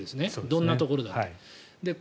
どんなところでも。